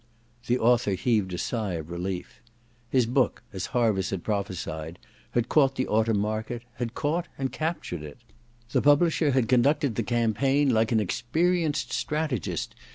The author heaved a sigh of relief. His book, as Harviss had prophesied, had caught the autumn market : had caught and captured it. The publisher had conducted the campaign like an experienced strategist.